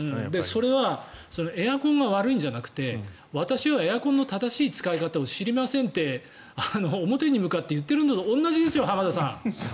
それはエアコンが悪いんじゃなくて私はエアコンの正しい使い方を知りませんって表に向かって言ってるのと同じですよ、浜田さん！